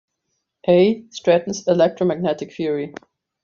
A. Stratton's "Electromagnetic Theory".